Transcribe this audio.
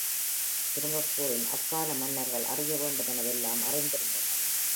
சுருங்கக் கூறின் அக்கால மன்னர்கள் அறிய வேண்டுவன வெல்லாம் அறிந்திருந்தனர்.